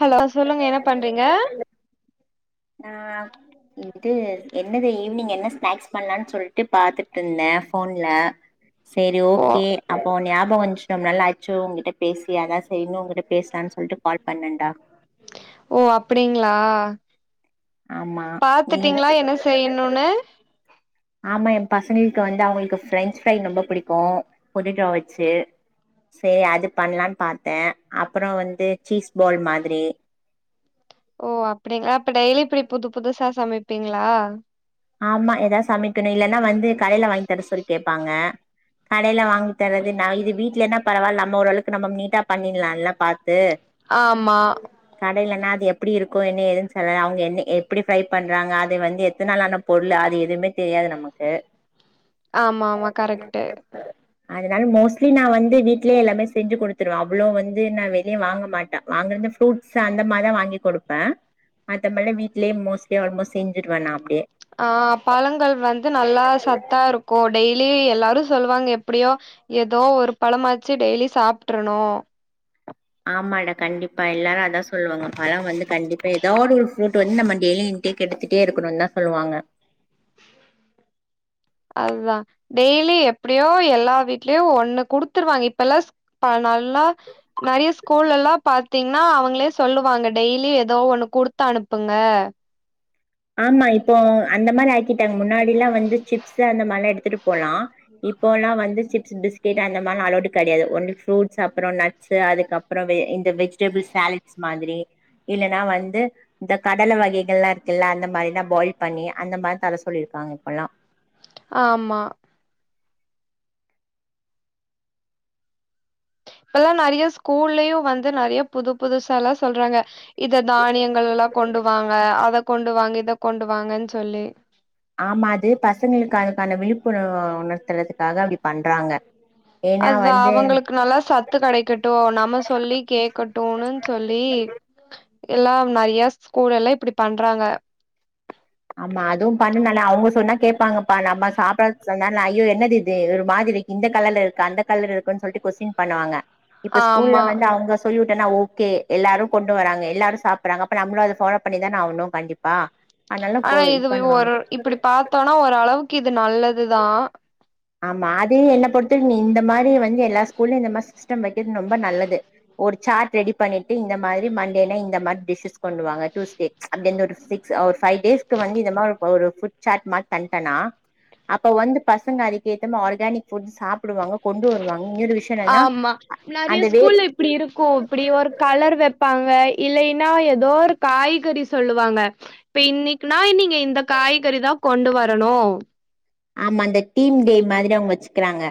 Hello சொல்லுங்க என்ன பண்றீங்க ஆ இது என்னது ஈவினிங் என்ன ஸ்நாக்ஸ் பண்ணலான்னு சொல்ட்டு பாத்துட்ருந்தே போன்ல சரி ஓ ஓகே அப்போ நீ ஆப் அப்போ கொஞ்சம் நல்லா ஆச்சு உங்கிட்ட பேசி அதா சரின்னு உங்கள்ட்ட பேசலான்னு சொல்ட்டு கால் பண்ணன்டா ஓ அப்டிங்களா ஆமா நீ பாத்துட்டீங்களா என்ன செய்யணுன்னு ஆமா எ பசங்களுக்கு வந்து அவங்களுக்கு பிரெஞ்சு ஃப்ரை ரொம்ப பிடிக்கு பொட்டேடோ வச்சு சரி அது பண்ணலான் பாத்தே அப்பற வந்து சீஸ் பால் மாரி ஓ அப்டிங்க அப்ப டெய்லி இப்டி புது புதுசா சமைப்பீங்களா ஆமா ஏதாவது சமைக்கணு இல்லன்னா வந்து கடையில வாங்கி தர சொல்லி கே ப்பாங்க கடையில வாங்கி தரதுனா இது வீட்லனா பரவால்ல நம்ம ஓரளவுக்கு நம்ம நீட்டா பண்ணிடலால்லா பாத்து ஆமா கடையலன்னா அது எப்டி இருக்கு என்ன ஏதுன்னு சொல்லல அவங்க என்ன எ எப்டி ஃப்ரை பண்றாங்க அது வந்து எத்தன நாள் ஆன பொருள் அது எதுவுமே தெரியாது நமக்கு ஆமா ஆமா கரெக்ட்டு அதனால மோஸ்ட்லி நா வந்து வீட்லயே எல்லாமே செஞ்சு குடுத்துருவே அவ்வளவு வந்து நா வெளியே வாங்க மாட்டே வாங்குறத ஃப்ரூட்ஸ் அந்த மாரிதா வாங்கி் குடுப்பே அந்த மில வீடலயே மோட்லி ஆல்மோஸ்ட் செஞ்சடுவா நா அப்டியே அ பழங்கள் வந்து நல்லா சத்தா இருக்கு டெய்லி எல்லாரு சொல்லுவாங்க எப்டியோ ஏதோ ஒரு பழமாச்சு டெய்லி சாப்ட்றணு ஆமாடா கண்டிப்பா எல்லாரு அதா சொல்லுவாங்க பழ வந்து கண்டிப்பா எதோ ஒரு ஃப்ரூட் வந்து நம்ம டெய்லி எடுத்துட்டே இருக்கணும்னு தா சொல்லுவாங்க அதுதா டெய்லி எப்டியோ எல்லா வீட்லயு ஒண்ணு குடுத்துருவாங்க இப்பல்லா அ நல்லா நெறைய ஸ்கூல்லல்லா பாத்தீங்கன்னா அவங்களே சொல்லுவாங்க டெய்லி ஏதோ ஒண்ணு குடுத்து அனுப்புங்க ஆமா இப்போ அந்த மாதிரி ஆ கேட்டாங்க முன்னாடில்லா வந்து சிப்ஸ் அந்த மாரில்லா எடுத்துட்டு போலா இப்போல்லா வந்து சிப்ஸ் பிஸ் கெட்டு அந்த மாரி அலவுடு கெடையாது ஒன்ல ஃப்ரூட்ஸ் அப்பறோ நட்ஸ்சு அதுக்கப்பறோ வே இந்த வெஜிடபிள் சாலட் ஸ் மாதிரி இல்லன்னா வந்து இந்த கடல வகைகள்லா இரு ல்ல அந்த மாரிதா பாயில் பண்ணி அந்த மாரி தர சொல்லிருக்காங்க இப்பெல்லா ஆமா இப்பல்லா நெறைய ஸ்கூல்லயு வந்து நெறைய புது புதுசால்லா சொல்றாங்க இத தானியங்கள்ல்லா கொண்டுவாங்க அத கொண்டுவாங்க இத கொண்டுவாங்கன் சொல்லி ஆமா அது பசங்களுக்கு அதுக்கான விழிப்புணர் உணர்த்தறதுக்காக அப்டி பண்றாங்க ஏன்னா அதா வந்து அவங்களுக்கு நல்லா சத்து கெடைக்கட்டு நம்ம சொல்லி கேக்கட்டுனு சொல்லி எல்லாம் நெறைய ஸ்கூல் எல்லா இப்பிடி பண்றாங்க ஆமா அதுவு பண்ணுனல்ல அவுங்க சொன்னா கேப்பாங்கப்பா நம்ம சாப்பட்றக் சொன்னா ஐயோ என்னதிது ஒரு மாதிரி இந்த கலர்ல இருக்கு அந்த கலர் இருக்குன் சொல்ட்டு கொஸ்டின் பண்ணுவாங்க இப்ப ஸ்கூல்ல ஆமா வந்து அவுங்க சொல்லிவிட்டன்னா ஓகே எல்லாரு கொண்டு வராங்க எல்லாரு சாப்பட்றாங்க அப்ப நம்மளு அத ஃபாலோ பண்ணி தான ஆவணு கண்டிப்பா அதனால கோ ஆனா இது இதுவே ஒரு பண்ணுவாங்க இப்பிடி பாத்தோன்னா ஓரளவுக்கு இது நல்லது தா ஆமா அதே என்ன பொறுத் வரிக் நீ இந்த மாரி வந்து எல்லா ஸ்கூல்லியு இந்த மாரி சிஸ்டம் வெக்கற்த் ரொம்ப நல்லது ஒரு சாட் ரெடி பண்ணிட்டு இந்த மாதிரி மண்டேனா இந்த மாத் டிஷ்ஷிஸ் கொண்டுவாங்க ட்யூஸ்டே அப்டின் ஒரு சிக்ஸு அ ஒரு ஃபை டேஸ்க்கு வந்து இந்த மாரி ஒரு ஃபுட் சாட் மார் தந்ட்டனா அப்ப வந்து பசங்க அதுக்கேத்த மார் ஆர்கானிக் ஃபுட் சாப்புடுவாங்க கொண்டு வருவாங்க இனியொரு விஷ் ஆமா நறைய ஸ்கூல்ல இப்பிடி இருக்கு இப்பிடி ஒரு கலர் வெப்பாங்க இல்லைனா எதோ ஒரு காய்கறி சொல்லுவாங்க இப்ப இன்னைக்னா நீங்க இந்த காய்கறி தா கொண்டு வரணு ஆமா அந்த டீம் டே மாதிரி அவுங்க வச்சுக்கிறாங்க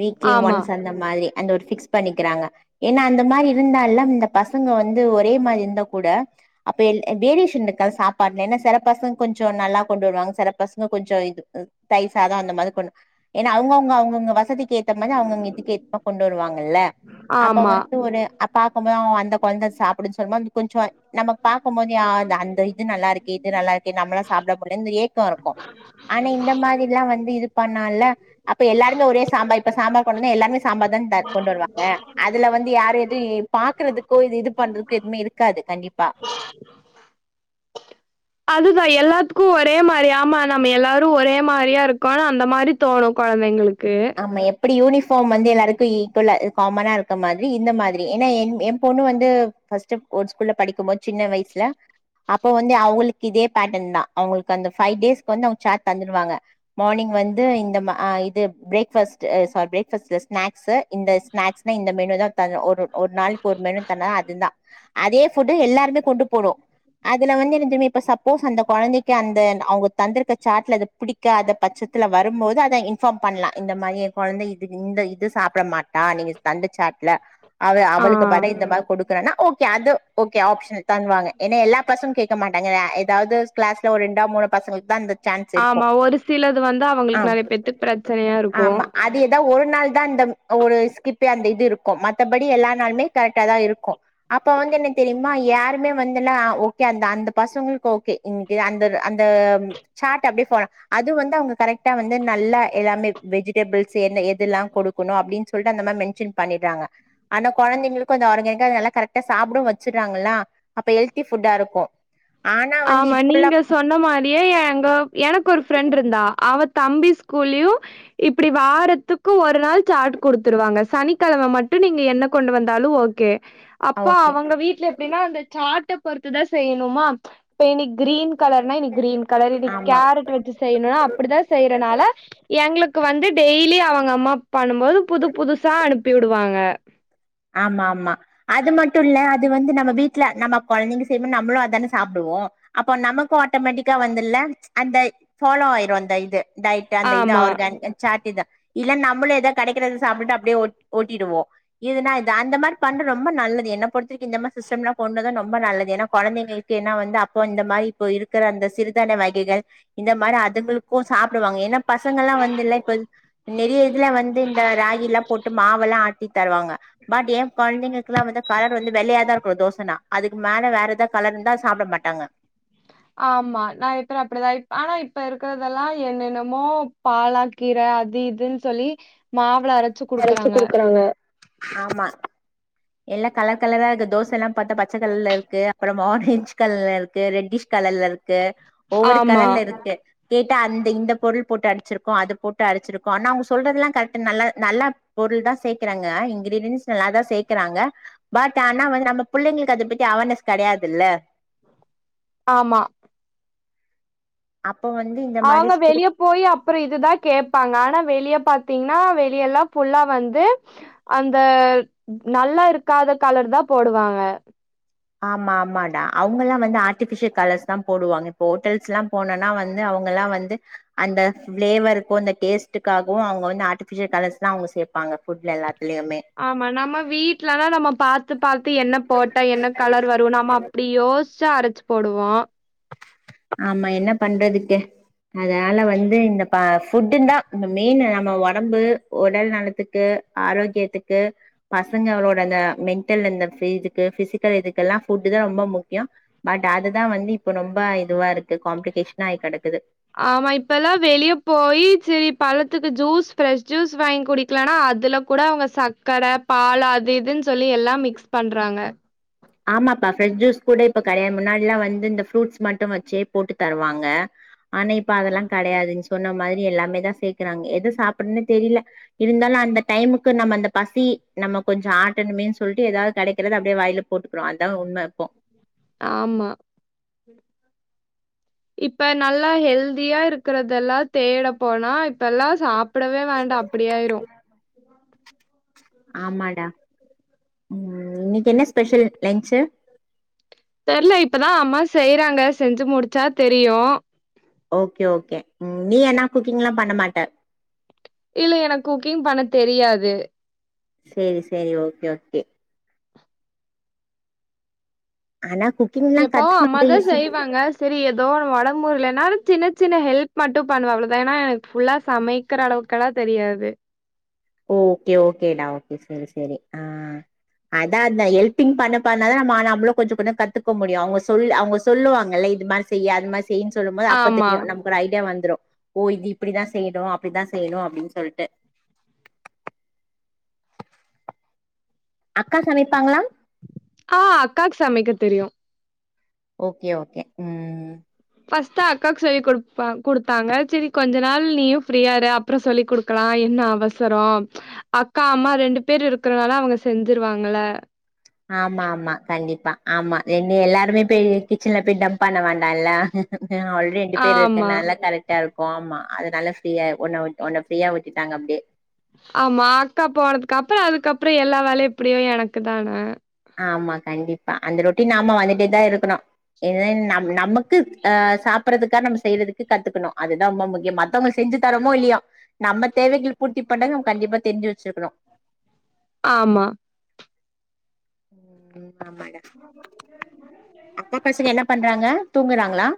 வீக்லி ஆமா, ஒன்ஸ் அந்த மாதிரி அந்த ஒரு ஃபிக்ஸ் பண்ணிக்கிறாங்க ஏனா அந்த மாரி இருந்தால்லா இந்த பசங்க வந்து ஒரே மாரி இர்ந்தா கூட அப்ப எல் எ வேரியஷன்ருக்காத் சாப்பாட்ல என்ன சில பசங்க கொஞ்சோ நல்லா கொண்டு வருவாங்க சில பசங்க கொஞ்சோ இது தயிர்சாதோ அந்த மாதிர் கொண்டு ஏனா அவுங்கவுங்க அவுங்கவுங்க வசதிக்கு ஏத் த மாரி அவுங்கவுங்க இதுக்கேத்த மார் கொண்டு வருவாங்கல்ல அப்ப ஆமா. வந்து ஒரு அப் பாக்கம் போது ஓ அந்த கொழ்ந்த சாப்புடுச்சு அந்த மாதிரி கொஞ்சோ நம்ம பாக்கும் போது அ த அந்த இது நல்லாருக்கே இது நல்லாருக்கே நம்மளு சாப்ட முடி இந்த ஏக்கோ இருக்கு ஆனா இந் எல்லா வந்து இது பண்ணோல்ல அப்ப எல்லாருமே ஒரே சாம்பார் இப்ப சாம்பார் கொண்டு வந்து எல்லார்மே சாம்பார் தான இந்த கொண்டு வருவாங்க அதுல வந்து யாரு எது பாக்கறதுக்கோ இது இது பண்றக்கு எதுமே இருக்காது கண்டிப்பா அதுதா எல்லாத்துக்கு ஒரே மாரி ஆமா நம்ம எல்லாரு ஒரே மாரியா இருக்கோனு அந்த மாரி தோணு கொழந்தைங்ளுக்கு இப்டி யூனிஃபாம் வந்து எல்லாருக்கு ஈக்கோலா இத் காமனா இருக்க மாதிரி இந்த மாதிரி ஏனா என் எம்பொண்ணு வந்து ஃபஸ்ட்டு ஒரு ஸ்கூல்ல படிக்கும்போது சின்ன வய்சுல அப்போ வந்து அவளுக் இதே பேட்டன் தா அவுங்கள்க் அந்த ஃபை டேஸ்க் வந்து அவுங் சாட் தந்துருவாங்க மார்னிங் வந்து இந்த மா அ இது பிரேக்ஃபஸ்ட்டு அ சாரி பிரேக்ஃபஸ்ட்ல்ல ஸ்நாக்ஸு இந்த ஸ்நாக்ஸ்னா இந்த மெனு தா தர்ணு ஒரு ஒரு நாளைக் ஒரு மெனு தந்தா அது தா அதே ஃபுட்டு எல்லார்மே கொண்டு போணு அதுல வந்து என்னந்தெரிமா இப்ப சப்போஸ் அந்த கொழந்தைக்கு அந்த அவங்க தந்திருக்க சாட்ல அது பிடிக் காத பட்சத்துல வரும்போது அத இன்ஃபாம் பண்லா இந்த மாதிரி எ கொழந்த இது இந்த இது சாப்ட மாட்டா நீங்க தந்த சாட்ல அவ ஆ. அவளுக்கு பதில் இந்த மாரி குடுக் கறன்னா ஓகே அது ஓகே ஆப்ஷனல் தந்வாங்க ஏனா எல்லா பசுங் கேக்க மாட்டாங்க ஏ எதாவ்து கிளாஸ்ல ஒரு ரெண்டோ மூனோ பசங்கள்க் தா அந்த சான்ஸ் ஆமா இருக்கும் ஒரு சிலது வந்து ஆ அவுங்களுக் நெறைய பேத்துக் பிரச்சனையா இருக்கு ஆமா அது எதா ஒரு நாள் தா அந்த ஒரு ஸ்கிப்பே அந்த இது இருக்கு மத்தபடி எல்லா நாள்மே கரெக்ட்டா தா இருக்கு அப்ப வந்து என்னந்தெரியிமா யாருமே வந்துல்லா ஓகே அந்த அந்த பசங்கள்க் ஓகே இன்க்லயோ அந்தது அந்த சாட் அப்டே ஃபோலா அது வந்து அவுங்க கரெக்ட்டா வந்து நல்லா எல்லாமே வெஜிடபிள்ஸு என்ன எதெல்லா கொடுக்கணு அப்டின் சொல்ட்டு அந்த மேம் மென்ஷன் பண்ணிட்றாங்க ஆனா கொழந்தைங்களுக்கு அந்த ஆரஞ்சு எங்க அது நல்லா கரட்டா சாப்டவு வச்சிர்றாங்களா அப்ப ஹெல்தி ஃபுட்டாருக்கு ஆமா நீங்க சொன்ன மாரியே எங்க எனக்கு ஒரு ஃப்ரெண்ட் இருந்தா அவத் தம்பிச் குலிவ் இப்டி வாரத்துக்கு ஒரு நாள் சார்ட் குடுத்துருவாங்க சனிக்கெழம மட்டு நீங்க என்ன கொண்டு வந்தாலு ஓக் கே அப்ப ஓகே அவங்க வீட்ல எப்டினா அந்தச் சார்ட்டப் பொறுத்துதா செய்ணுமா இப்ப இனிக் கிரீன் கலர்னா இனிக் கிரீன் கலர் இனிக் ஆமா கேரட் வெச்சுச் செய்ணுனா அப்டிதா செய்றனால எங்ளுக்கு வந்து டெய்லி அவங்கம்மாப் பண்ணும்போது புதுப் புதுசா அனுப்பி விடுவாங்க ஆமா மா அது மட்டு இல்ல அது வந்து நம்ம வீட்ல நம்ம கொழந்தைங்க செய்ம்போ நம்ளு அதான சாப்டுவோ அப்போ நமக்கு ஆட்டோமேட்டிக்கா வந்துல்ல அந்தய் ஃபாலோ ஆயிரு அந்த இது இதாயிட்டு அந்த இது ஆமா. ஆர்கான் சேட்டிதா இல்ல நம்பளேதா கெடைக்கறத சாப்டுட்டு அப்டியே ஓட் ஓட்டிடுவோ இதுனா இது அந்த மாரி பண்ற ரொம்ப நல்லது என்னப் பொறுத்தறிக்கு இந்தமா சிஸ்டம்லா கொண்டு வந்தா நொம்ப நல்லது ஏனாக் கொந்தைங்கிளுக் கு ஏனா வந்து அப்போ இந்த மாரி இப்போ இருக்கற அந்த சிறுதான்ய வகைகள் இந்த மாரி அதுங்குளுக் க்கு சாப்டுவாங்க என்னாப் பசங்களா வந்து இல்ல இப்ப நிறைய இதுல வந்து இந்த ராகில்லாப் போட்டு மாவெல்லா ஆட்டித் தருவாங்க பட் எ கொழந்தைங்களுக்குலா வந்து கலர் வந்து வெள்ளையாதா இருக்னு தோசனா அதுக்கு மேல வேற எதாக் கலர்ந்தா சாப்ட மாட்டாங்க ஆம்மா நா எப்பற அப்டிதா இப் ஆனா இப்ப இருக்கறதெல்லா என்னென்னமோப் பாலாக்கீர அது இதுன் சொல்லி மாவளரச் அரச்சு குடுக்கறாங்க ஆமா எல்லாக் கலர் கலராகு தோசலாம் பாத்தா பச்ச கர்ல இருக்கு அப்றம் ஆரஞ்ச் கலல்ல இருக்கு ரெட்டிஷ் கலல்ல இருக்கு ஒவ்வொரு ஆமா. கலல்ல இருக்கு கேட்டா அந்த இந்த பொருள் போட்டு அடிச்சிருக்கோ அதுப் போட்டு அடிச்சிருக்கோ நா அவுங்க சொல்றதெல்லாங் கர்ட்டுன் நல்லா நல்லாப் பொருள்தா சேக்கறாங்க இன்கிரீடியன்ஸ் நல்லாதா சேக்கறாங்க பட் ஆனா வந்து நம்ம பிள்ளைங்களுக்கு அத பத்தி அவர்னஸ் கெடையாதுல்ல ஆமா அப்ப வந்து இந்த மாரிச் ஸ்கூல் போயி அப்பறோ இதுதாக் கேப்பாங்க ஆனா வெளியப் பாத்தீங்னா வெளியெல்லாப் புல்லா வந்து அந்த நல்லா இருக்காத கலர்தா போடுவாங்க ஆமா ஆமாடா அவுங்கலா வந்து ஆர்டிபிஷியல் கலர்ஸ்தாம் போடுவாங்க இப்போ ஓட்டல்ஸ்லாம் போனனா வந் னு அவங்கலா வந்து அந்த ஃபிளேவர்க்கு அந்த டேஸ்ட்டுக்காகவு அவுங்க வந்து ஆர்டிபிஷியல் கலர்ஸ்தா அவுங்க சேப் ப்பாங்க ஃபுட்ல எல்லாத்துலியுமே ஆமா நம்ம வீட்லனா நம்ம பாத்து பாத்து என்னப் போட்டோ என்ன கலர் வரு நம்ம அப்டி யோச்சா அரச்சு போடுவோ ஆமா என்ன பண்றதுக்கு அதனால வந்து இந்த பா ஃபுட்டுந்தா இந்த மெயின்னு நம்ம ஒடம்பு ஒடல் நலத்துக்கு ஆரோக்யத்துக்கு பசங்கங்களோட அந்த மென்ட்டல் அந்த பீ இதுக்கு பிசிக்கல் இதுக்கெல்லா ஃபுட்டுதா ரொம்ப முக்கியோ பட் அதுதா வந்து இப்ப நொம்ப இதுவா இருக்கு காம்ப்ளிகேஷனா ஆயி கெடக்குது ஆமா இப்ப எல்லா வெளியப் போயி செரிப் பழத்துக்கு ஜூஸ் ப்ரெஷ் ஜூஸ் வாய்ங் குடிக்லானா அதுலக் கூட அவுங்க சக்கர பால் அது இதுன் சொல்லி எல்லாம் மிக்ஸ் பண்றாங்க ஆமாப்பா ஃப்ரெஷ் ஜூஸ் கூட இப்ப கெடையா முன்னாடிலா வந்து இந்த ஃப்ரூட்ஸ் மட்டு வச்சே போட்டு தருவாங்க ஆனா இப்ப அதெல்லா கெடையாது நீ சொன்ன மாதிரி எல்லாமே தா சேக்குறாங்க எத சாப்பிட்னே தெரில இருந்தாலு அந்த டைமுக்கு நம்ம அந்த பசி நம்ம கொஞ்சு ஆட்டணுமேனு சொல்ட்டு எதாத் கடைக்கறத அப்டே வாய்ல போட்டுக்கிறோ அதுதா உண்ம இப்போ ஆமா [inaudible] இப்ப நல்லா ஹெல்தியா இருக்கறதெல்லா தேட போனா இப்ப எல்லா சாப்பிடவே வேண்டா அப்படியாயிரு ஆமாடா ம் இன்னிக் என்ன ஸ்பெஷல் லன்ச்சு தெர்ல இப்பதா அம்மா செய்றாங்க செஞ்சு முடிச்சா தெரியு ஓகே ஓகே நீ ஆனா குக்கிங்ல்லா பண்ண மாட்ட இல்ல எனக்கு குக்கிங் பண்ண தெரியாது செரி செரி ஓகே ஓகே ஆனா குக் எப்பவு அம்மாதா செய்வாங்க செரி எதோ ஒன் ஒடம் முடிலனா சின்ன சின்ன ஹெல்ப் மட்டு பண்ணுவ அவ்ளதா ஏன்னா எனக் ஃபுல்லா சமைக் க்கிற அளவுக்கெல்லா தெரியாது ஓகே ஓகேடா ஓகே செரி செரி ஆ அதா அந்த ஹெல்பிங் பண்ணப் பண்ணதா நம்ம நாமளு கொஞ்ச கொஞ்ச கத்துக்க முடியு அவுங்க சொல் அவுங்க சொல்லுவாங்கல்ல இது மாரி செய்யி அது மாிரி செய்யின் சொல்லும்போது அப்ப ஆமா. தெரியு நம ஒரு ஐடியா வந்துரு ஓ இது இப்படிதா செய்யணு அப்படிதா செய்யணு அப்டின் சொல்ட்டு அக்கா சமைப்பாங்ளா ஆ அக்காக் சமைக்க தெரியு ஓகே ஓகே ம் ஃபஸ்ட்டு அக்காக்கு சொல்லி குடுப்பாங் குடுத்தாங்க செரி கொஞ்ச நாள் நீயு ஃப்ரீயாயிரு அ ப்றோ சொல்லி குடுக்கலா என்ன அவசரோ அக்கா அம்மா ரெண்டு பேரு இருக்கறனால அவங்க செஞ்சிருவாங்கல ஆமா ஆமா கண்டிப்பா ஆமா என்ன எல்லாருமே போயி கிச்சன்ல போய் டம்ப் பண்ண வேண்டால ஆல்ரெ ரெண்டு பேரு ஆமா இருக்கனால கரெட் டா இருக்கு ஆமா அதனால ஃப்ரீயா உன்ன உன் உன்ன ஃப்ரீயா விட்டுட்டாங்க அப்டே ஆமா அக்கா போனதுக்கு அப்புறோ அதுக்கப்புற எல்லா வேலையு எப்படியு எனக்கு தான ஆமா கண்டிப்பா அந்த ரொட்டின் ஆமா வந்துட்டே தா இருக்கணு இது நம் நமக்கு ஆ சாப்பறதுக்காது நம்ம செய்றதுக்கு கத்துக்கணு அதுதா ரொம்ப முக்கியோ மத்தவங்களுக் செஞ்சு தரமோ இல்லியோ நம்ம தேவைகள பூர்த்தி பண்ண நம்ம கண்டிப்பா தெரிஞ்சு வெச்சிருக்கணு ஆமா ம் ஆமாடா [unintelligible] அக்க பசங்க என்ன பண்றாங்க தூங்குறாங்ளா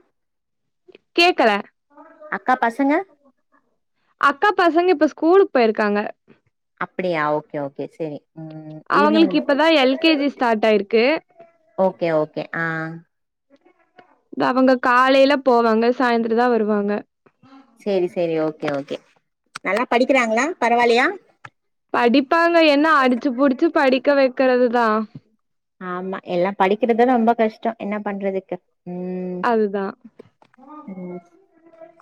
கேக்கல அக்கா பசங்க அக்கா பசங்க இப்ப ஸ்கூலுக் போயிருக்காங்க அப்படியா ஓகே ஓகே செரி ம் ஈவினிங் அவங்களுக்கு இப்பதா எல்கேஜி ஸ்டாடாயிருக்கு ஓகே ஓகே ஆ அவங்க காலையில போவாங்க சாய்ந்தர தா வருவாங்க சேரி சேரி ஓகே ஓகே நல்லா படிக்குறாங்ளா பரவால்லையா படிப்பாங்க என்ன அடிச்சு புடிச்சு படிக்க வெக்கறது தா ஆமா எல்லா படிக்கிறதுதான ரொம்ப கஷ்ட என்ன பண்றதுக்கா அது தா ம்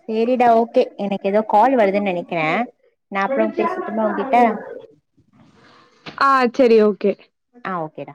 சேரிடா ஓகே எனக்கு எதோ கால் வருதுன் நெனைக்கிறே நா அப்றோ பேசட்டுமா உங்கிட்ட ஆ செரி ஓகே ஆ ஓகேடா